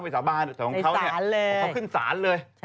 เขาขึ้นสานเลย